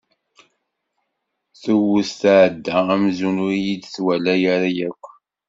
Tewwet tɛedda amzun ur iyi-d-twala ara akk.